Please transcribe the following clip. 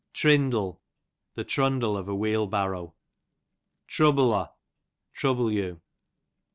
Trindle, the trundle of a wheel barrow. A. S. Trouble'o, trouble you.